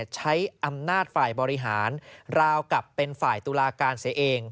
ใช้อำนาจฝ่ายบริหารราวกับเป็นฝ่ายตุลาการเสียเอง